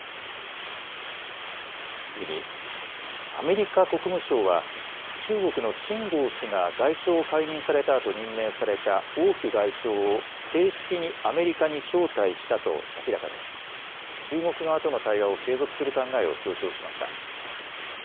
次にアメリカ国務省は中国の秦剛氏が外相を解任されたあと任命された王毅外相を正式にアメリカに招待したと明らかにし中国側との対話を継続する考えを強調しました。